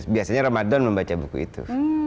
biasanya ramadan membaca buku itu